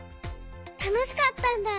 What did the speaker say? たのしかったんだ。